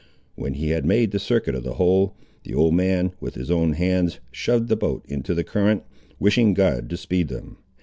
When he had made the circuit of the whole, the old man, with his own hands, shoved the boat into the current, wishing God to speed them.